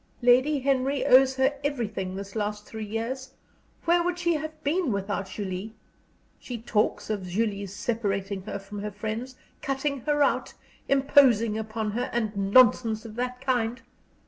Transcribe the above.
Lady Henry owes her _every_thing this last three years. Where would she have been without Julie? She talks of Julie's separating her from her friends, cutting her out, imposing upon her, and nonsense of that kind!